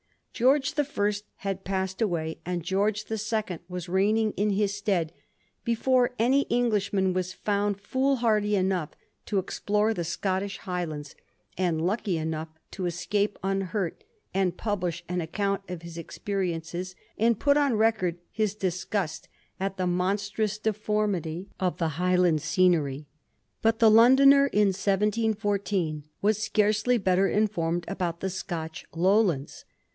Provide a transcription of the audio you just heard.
Greorge the First had passed away, and Greorge the Second was reign ing in his stead, before any Englishman was foimd foolhardy enough to explore the Scottish Highlands, and lucky enough to escape unhurt, and publish an account of his experiences, and put on record his disgust at the monstrous deformity of the Highland scenery. But the Londoner in 1714 was scarcely better informed about the Scotch Lowlands.